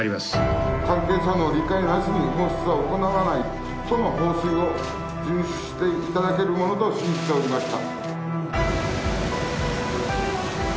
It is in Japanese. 「関係者の理解なしに放出は行わない」との方針を順守していただけるものと信じておりました。